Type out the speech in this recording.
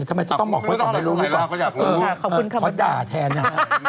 ทำไมจะต้องบอกเพราะไม่รู้หรือเปล่าขอด่าแทนน่ะ